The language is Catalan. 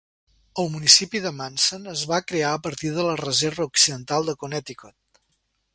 El municipi de Munson es va crear a partir de la Reserva Occidental de Connecticut.